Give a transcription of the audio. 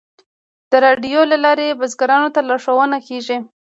د راډیو له لارې بزګرانو ته لارښوونه کیږي.